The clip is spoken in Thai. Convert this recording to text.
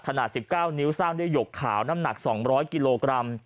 ๑๙นิ้วสร้างด้วยหยกขาวน้ำหนัก๒๐๐กิโลกรัม